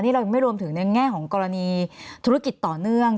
เรายังไม่รวมถึงในแง่ของกรณีธุรกิจต่อเนื่อง